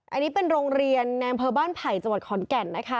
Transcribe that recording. อันนี้เป็นโรงเรียนในอำเภอบ้านไผ่จังหวัดขอนแก่นนะคะ